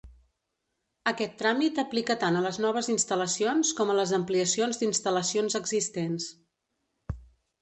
Aquest tràmit aplica tant a les noves instal·lacions com a les ampliacions d'instal·lacions existents.